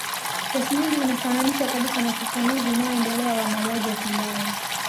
Kesi nyingi zinafananishwa kabisa na ufafanuzi unao endelea wa mauaji ya kimbari